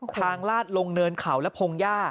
ทางลาดลงเนินเขาและพงย้า